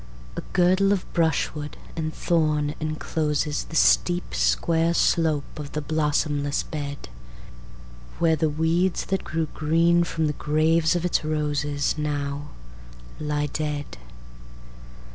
A girdle of brushwood and thorn enclosesThe steep, square slope of the blossom less bedWhere the weeds that grew green from the graves of its rosesNow lie dead.